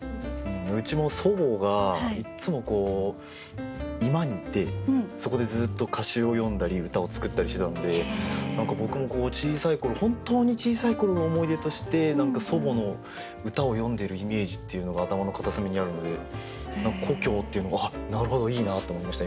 うちも祖母がいっつも居間にいてそこでずっと歌集を読んだり歌を作ったりしてたので何か僕も小さい頃本当に小さい頃の思い出として何か祖母の歌をよんでるイメージっていうのが頭の片隅にあるので何か「故郷」っていうのが「なるほどいいな」と思いました